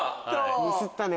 ミスったね。